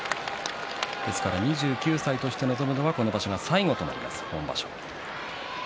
ですから２９歳として臨むのはこの場所が最後になります。